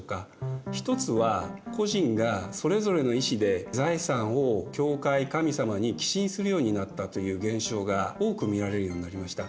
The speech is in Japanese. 一つは個人がそれぞれの意思で財産を教会神様に寄進するようになったという現象が多く見られるようになりました。